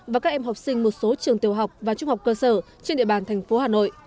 và các em học sinh một số trường tiểu học và trung học cơ sở trên địa bàn thành phố hà nội